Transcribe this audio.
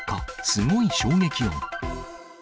すごい衝撃音。